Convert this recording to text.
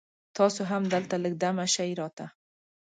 تاسو هم دلته لږ دمه شي را ته